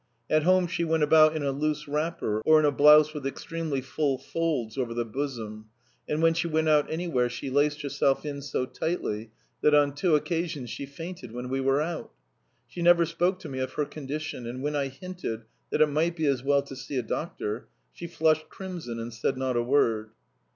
At home she went about in a loose wrapper or in a blouse with extremely full folds over the bosom, and when she went out anywhere she laced herself in so tightly that on two occasions she fainted when we were out. She never spoke to me of her condition, and when I hinted that it might be as well to see a doctor, she flushed crimson and said not a word.